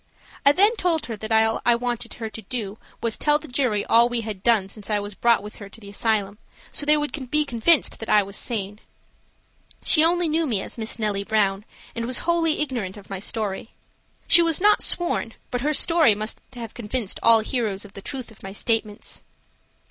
I then told her that all I wanted her to do was tell the jury all we had done since I was brought with her to the asylum, so they would be convinced that I was sane. She only knew me as Miss Nellie Brown, and was wholly ignorant of my story. She was not sworn, but her story must have convinced all hearers of the truth of my statements.